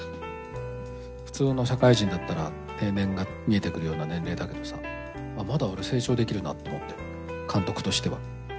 普通の社会人だったら定年が見えてくるような年齢だけどさまだ俺成長できるなと思って監督としては。